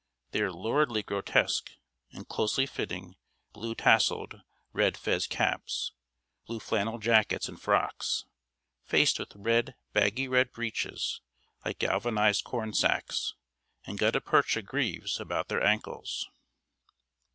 They are luridly grotesque, in closely fitting, blue tasseled, red fez caps, blue flannel jackets and frocks, faced with red, baggy red breeches, like galvanized corn sacks, and gutta percha greaves about their ankles.